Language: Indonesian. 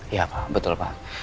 iya pak betul pak